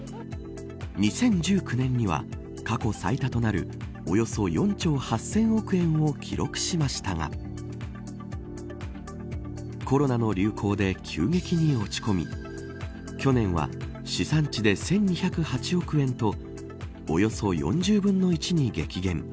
２０１９年には過去最多となるおよそ４兆８０００億円を記録しましたがコロナの流行で急激に落ち込み去年は試算値で１２０８億円とおよそ４０分の１に激減。